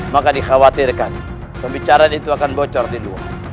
maka dikhawatirkan pembicaraan itu akan bocor di luar